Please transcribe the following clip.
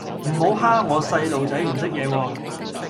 唔好蝦我細路仔唔識野喎